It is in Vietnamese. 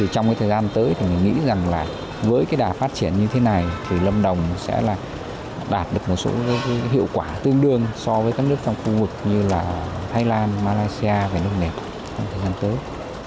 trong thời gian tới mình nghĩ rằng với đả phát triển như thế này lâm đồng sẽ đạt được một số hiệu quả tương đương so với các nước trong khu vực như thái lan malaysia và nước này trong thời gian tới